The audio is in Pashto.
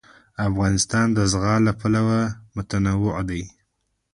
افغانستان د زغال له پلوه متنوع دی.